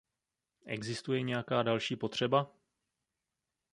Existuje nějaká další potřeba?